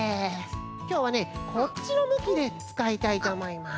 きょうはねこっちのむきでつかいたいとおもいます。